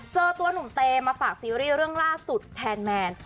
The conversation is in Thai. เจอตัวหนุ่มเตมาฝากซีรีส์เรื่องล่าสุดแทนแมน